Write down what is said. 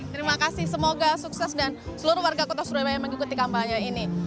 terima kasih semoga sukses dan seluruh warga kota surabaya yang mengikuti kampanye ini